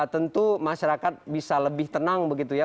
tentu masyarakat bisa lebih tenang begitu ya